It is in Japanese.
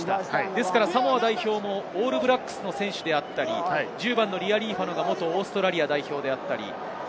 ですからサモア代表もオールブラックスの選手であったり、１０番のリアリーファノは元オーストラリア代表。